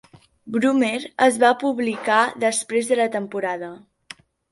Brummer es va publicar després de la temporada.